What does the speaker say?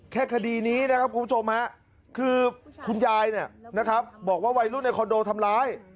คดีนี้นะครับคุณผู้ชมฮะคือคุณยายบอกว่าวัยรุ่นในคอนโดทำร้าย